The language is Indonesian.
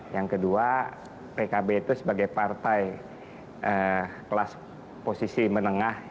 yang kedua pkb itu sebagai partai kelas posisi menengah